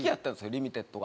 リミテッドが。